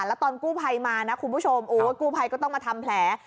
แล้วตอนกู้ภัยมานะคุณผู้ชมโอ้ยกู้ภัยก็ต้องมาทำแผล